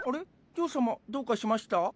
ジョー様どうかしました？